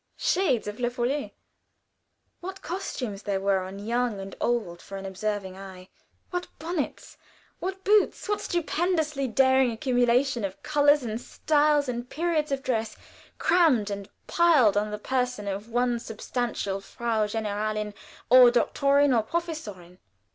Shades of Le Follet! What costumes there were on young and old for an observing eye! What bonnets, what boots, what stupendously daring accumulation of colors and styles and periods of dress crammed and piled on the person of one substantial Frau Generalin, or Doctorin or Professorin!